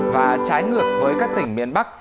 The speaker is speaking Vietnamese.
và trái ngược với các tỉnh miền bắc